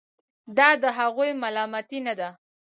دا د هغوی ملامتي نه ده.